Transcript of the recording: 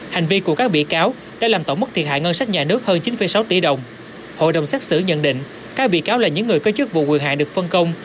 hội đồng xác xử nhận định các bị cáo là những người có chức vụ quyền hại được phân công